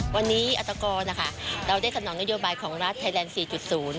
วันนี้อัตกรนะคะเราได้สนองนโยบายของรัฐไทยแลนด์๔๐